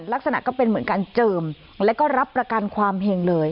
ลักษณะก็เป็นเหมือนการเจิมแล้วก็รับประกันความเห็งเลย